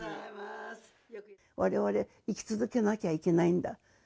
われわれ生き続けなきゃいけないんだ。